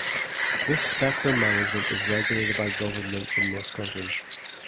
This spectrum management is regulated by governments in most countries.